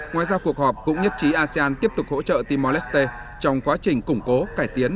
ngoài ra cuộc họp cũng nhất trí asean tiếp tục hỗ trợ timor leste trong quá trình củng cố cải tiến